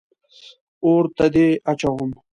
اور ته دې اچوم.